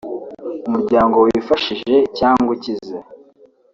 umuryango wifashije cyangwa ukize